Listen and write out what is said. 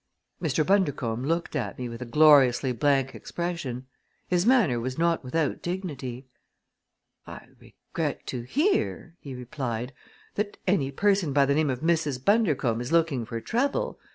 Mr. Bundercombe looked at me with a gloriously blank expression. His manner was not without dignity. "I regret to hear," he replied, "that any person by the name of Mrs. Bundercombe is looking for trouble.